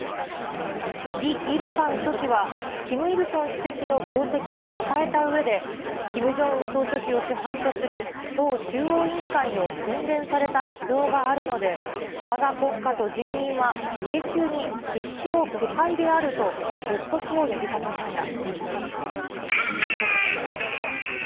リ・イルファン書記は、キム・イルソン主席の業績をたたえたうえで、キム・ジョンウン総書記を首班とする党中央委員会の洗練された指導があるので、わが国家と人民は永久に必勝不敗であると結束を呼びかけました。